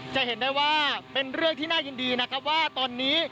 จะเห็นได้ว่าเป็นเรื่องที่น่ายินดีนะครับว่าตอนนี้